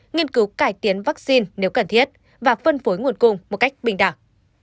nghiên cứu cải tiến vaccine nếu cần thiết và phân phối nguồn cung một cách bình đẳng